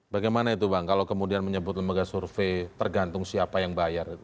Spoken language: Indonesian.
bagaimana itu bang kalau kemudian menyebut lembaga survei tergantung siapa yang bayar